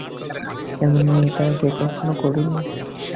কেননা এটা আগে কখনো করিনি।